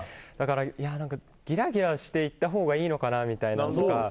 だからギラギラしていったほうがいいのかなって。